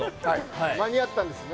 間に合ったんですね。